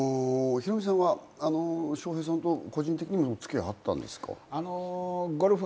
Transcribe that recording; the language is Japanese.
ヒロミさんは笑瓶さんと個人的にもお付き合いあったんですか？